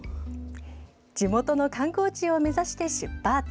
地元の観光地を目指して出発。